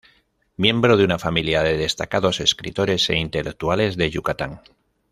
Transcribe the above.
Miembro de una familia de destacados escritores e intelectuales de Yucatán.